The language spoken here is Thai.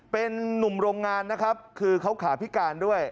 เป็นนุ่มโรงงานนะครับคือเขาขาพิการด้วย